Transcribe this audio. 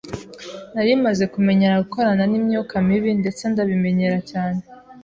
Nari maze kumenyera gukorana n’imyuka mibi, ndetse ndabimenyera cyane.